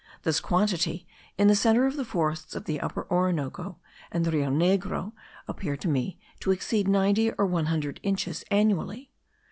This quantity, in the centre of the forests of the Upper Orinoco and the Rio Negro, appeared to me to exceed 90 or 100 inches annually.